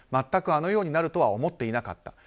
全くあのようになるとは思っていなかった。